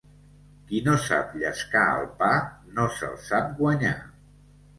Qui no sap llescar el pa, no se'l sap guanyar.